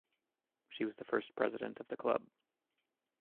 She was the first president of the club.